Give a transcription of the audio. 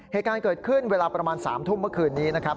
เหตุการณ์เกิดขึ้นเวลาประมาณ๓ทุ่มเมื่อคืนนี้นะครับ